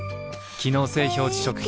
機能性表示食品